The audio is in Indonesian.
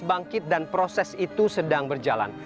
bangkit dan proses itu sedang berjalan